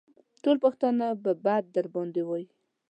ټول پښتانه به بد در باندې وايي.